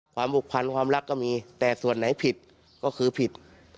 ความบุคพรรณความรักก็มีแต่ส่วนไหนผิดก็คือผิด